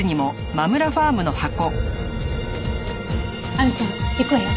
亜美ちゃん行くわよ。